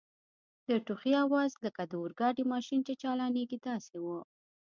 د ټوخي آواز لکه د اورګاډي ماشین چي چالانیږي داسې و.